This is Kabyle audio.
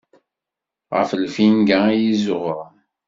Ɣer lfinga iyi-ẓuɣṛen.